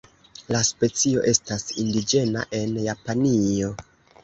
La specio estas indiĝena en Japanio.